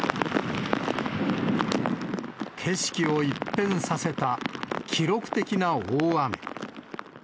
景色を一変させた記録的な大雨。